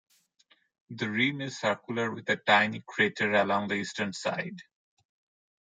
The rim is circular with a tiny crater along the eastern side.